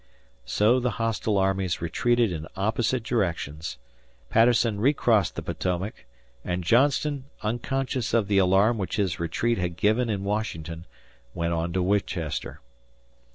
So the hostile armies retreated in opposite directions. Patterson recrossed the Potomac, and Johnston, unconscious of the alarm which his retreat had given in Washington, went on to Winchester.